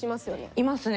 いますね。